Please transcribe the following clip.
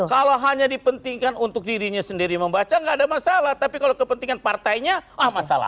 enggak ada masalah kalau hanya dipentingkan untuk dirinya sendiri membaca enggak ada masalah tapi kalau kepentingan partainya ah masalah